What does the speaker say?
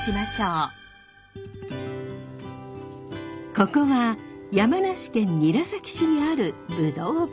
ここは山梨県韮崎市にあるぶどう畑。